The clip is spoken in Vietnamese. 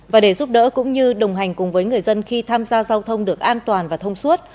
và để giúp đỡ cũng như đồng hành cùng với người dân khi tham gia giao thông được an toàn và thông suốt